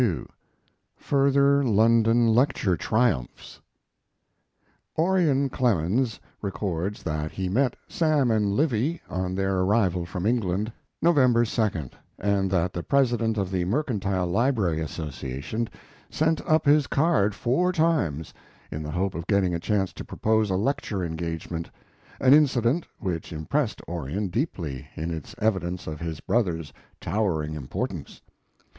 XCII. FURTHER LONDON LECTURE TRIUMPHS Orion Clemens records that he met "Sam and Livy" on their arrival from England, November 2d, and that the president of the Mercantile Library Association sent up his card "four times," in the hope of getting a chance to propose a lecture engagement an incident which impressed Orion deeply in its evidence of his brother's towering importance.